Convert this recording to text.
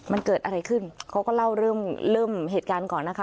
มันเกิดอะไรขึ้นเขาก็เล่าเริ่มเหตุการณ์ก่อนนะคะ